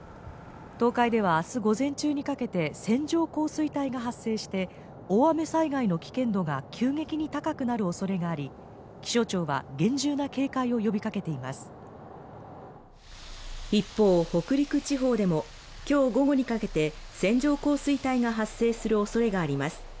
東海ではあす午前中にかけて線状降水帯が発生して大雨災害の危険度が急激に高くなる恐れがあり気象庁は厳重な警戒を呼びかけています一方、北陸地方でもきょう午後にかけて線状降水帯が発生するおそれがあります